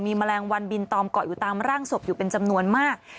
แมลงวันบินตอมเกาะอยู่ตามร่างศพอยู่เป็นจำนวนมาก